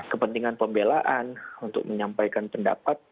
kepentingan pembelaan untuk menyampaikan pendapat